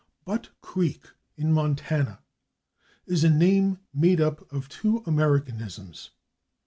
/Butte Creek/, in /Montana/, is a name made up of two Americanisms.